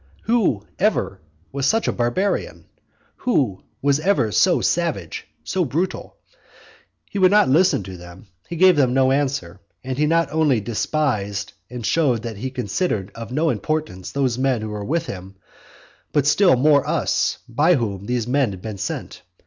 Who ever was such a barbarian? Who was ever so savage? so brutal? He would not listen to them; he gave them no answer; and he not only despised and showed that he considered of no importance those men who were with him, but still more us, by whom these men had been sent.